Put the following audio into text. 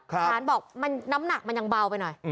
ฐานบอกน้ำหนักมันยังเบาไปหน่อย